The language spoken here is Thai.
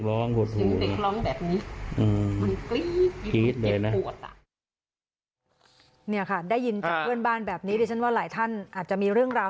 ทั้งพี่ทั้งน้องเลยหรือเปล่าทั้งสองคนเลยหรือเปล่า